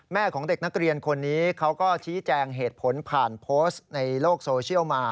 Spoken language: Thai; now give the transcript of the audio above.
ของเด็กนักเรียนคนนี้เขาก็ชี้แจงเหตุผลผ่านโพสต์ในโลกโซเชียลมา